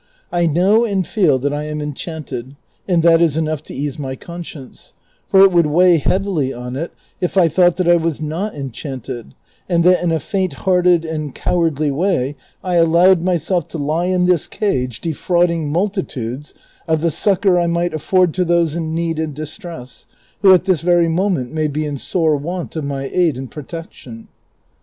I know and feel that I am enchanted, and that is enough to ease my conscience ; for it would weigh heavily on it if I thought that I was not enchanted, and that in a faint hearted and cowardly way I allowed myself to lie in this cage, defrauding multitudes of the succor I might afford to those in need and distress, who at this very moment may be in sore want of my aid and protection."